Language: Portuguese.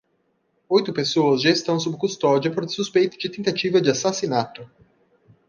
Oito pessoas já estão sob custódia por suspeita de tentativa de assassinato.